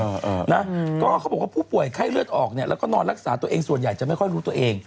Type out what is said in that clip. เออนะก็เขาบอกว่าผู้ป่วยไข้เลือดออกเนี่ยแล้วก็นอนรักษาตัวเองส่วนใหญ่จะไม่ค่อยรู้ตัวเอง